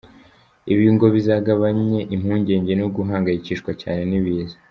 Ibi ngo bizagabanye impungenge no guhangayikishwa cyane n’ibiza.